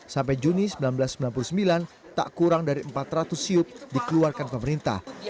sampai juni seribu sembilan ratus sembilan puluh sembilan tak kurang dari empat ratus siup dikeluarkan pemerintah